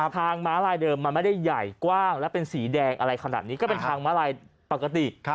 ม้าลายเดิมมันไม่ได้ใหญ่กว้างและเป็นสีแดงอะไรขนาดนี้ก็เป็นทางม้าลายปกติ